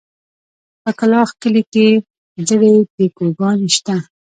په کلاخ کلي کې زړې پيکوگانې شته.